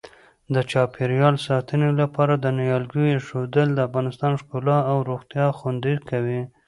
د چاپیریال ساتنې لپاره د نیالګیو اېښودل د افغانستان ښکلا او روغتیا خوندي کوي.